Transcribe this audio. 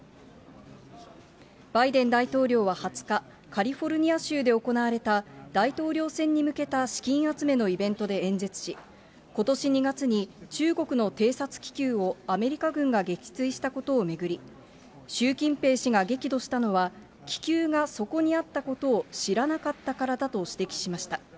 バイデン大統領は２０日、カリフォルニア州で行われた大統領選に向けた資金集めのイベントで演説し、ことし２月に中国の偵察気球をアメリカ軍が撃墜したことを巡り、習近平氏が激怒したのは、気球がそこにあったことを知らなかったからだと指摘しました。